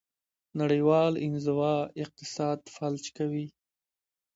نړیوال انزوا اقتصاد فلج کوي.